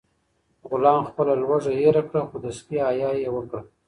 غلام خپله لوږه هېره کړه خو د سپي حیا یې وکړه.